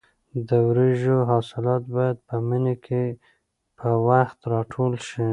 د وریژو حاصلات باید په مني کې په وخت راټول شي.